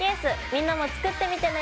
みんなも作ってみてね！